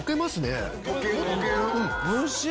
おいしい！